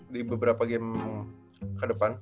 di beberapa game ke depan